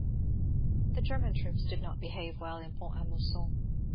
The German troops did not behave well in Font a Mousson.